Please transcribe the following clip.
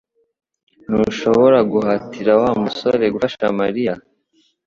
Ntushobora guhatira Wa musore gufasha Mariya